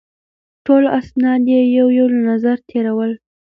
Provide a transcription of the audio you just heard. ټول اسناد یې یو یو له نظره تېرول.